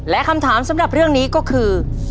และคำถามสำหรับเรื่องนี้ก็คือ